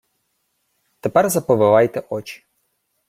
— Тепер заповивайте очі.